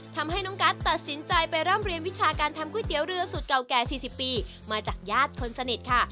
ทำให้น้องกัสตัดสินใจไปร่ำเรียนวิชาการทำก๋วยเตี๋ยวเรือสูตรเก่าแก่๔๐ปีมาจากญาติคนสนิทค่ะ